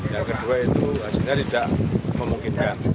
yang kedua itu hasilnya tidak memungkinkan